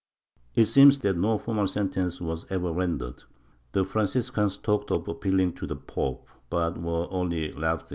It seems that no formal sentence was ever rendered. The Franciscans talked of appealing to the pope, but were only laughed at.